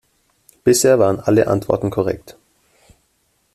Bisher waren alle Antworten korrekt.